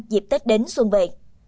dịp tết đến xuân về